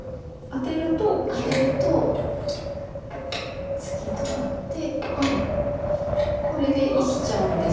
アテるとツギとなってこれで生きちゃうんです。